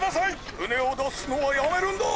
ふねをだすのはやめるんだ！